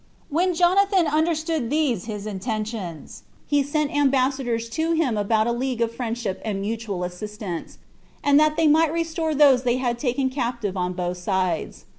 6. When Jonathan understood these his intentions, he sent ambassadors to him about a league of friendship and mutual assistance, and that they might restore those they had taken captive on both sides.